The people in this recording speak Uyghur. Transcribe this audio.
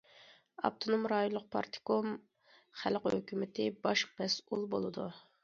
ئاپتونوم رايونلۇق پارتكوم، خەلق ھۆكۈمىتى باش مەسئۇل بولىدۇ.